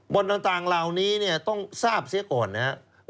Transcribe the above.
บ่อนต่างราวนี้ต้องทราบเสียก่อนนะครับ